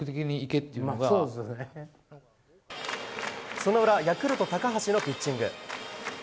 その裏ヤクルト、高橋のピッチング。